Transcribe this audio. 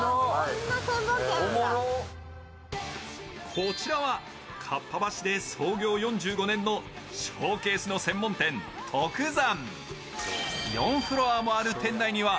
こちらは、かっぱ橋で創業４５年のショーケースの専門店・徳山。